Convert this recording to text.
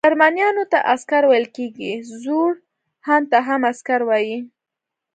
جرمنیانو ته عسکر ویل کیږي، زوړ هن ته هم عسکر وايي.